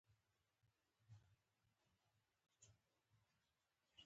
غزني ښار ولې د اسلامي ثقافت مرکز و؟